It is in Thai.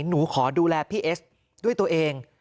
หนูขอดูแลพี่เอสด้วยตัวเอง